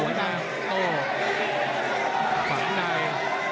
ข้างใน